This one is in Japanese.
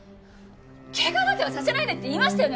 怪我だけはさせないでって言いましたよね？